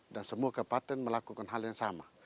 dan semua kebhatian melakukan hal yang sama